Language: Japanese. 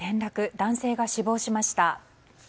男性が死亡しました。